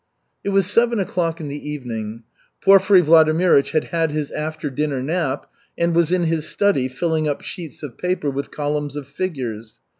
It was seven o'clock in the evening. Porfiry Vladimirych had had his after dinner nap and was in his study filling up sheets of paper with columns of figures.